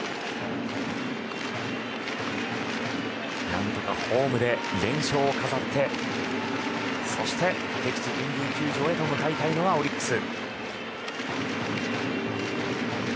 何とかホームで連勝を飾って敵地・神宮球場へと向かいたいのはオリックス。